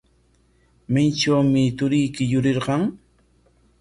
¿Maytrawmi turiyki yurirqan?